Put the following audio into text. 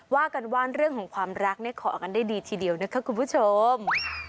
ว่ากันว่าเรื่องของความรักเนี่ยขอกันได้ดีทีเดียวนะคะคุณผู้ชม